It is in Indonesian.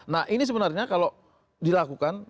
nah ini sebenarnya kalau dilakukan